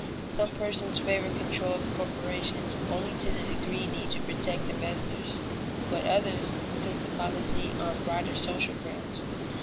Some persons favor control of corporations only to the degree needed to protect investors, but others place the policy on broader social grounds.